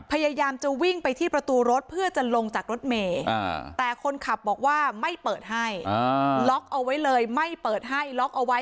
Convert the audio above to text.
พยายามจะวิ่งไปที่ประตูรถเพื่อจะลงจากรถเมย์แต่คนขับบอกว่าไม่เปิดให้ล็อกเอาไว้เลยไม่เปิดให้ล็อกเอาไว้